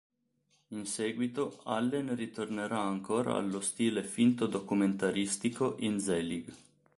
In seguito, Allen ritornerà ancora allo stile finto-documentaristico in "Zelig".